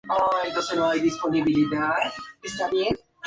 El monte Hibok-Hibok es un popular destino turístico.